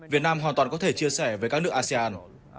việt nam hoàn toàn có thể chia sẻ với các nước asean